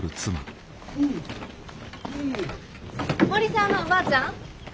森澤のおばあちゃん。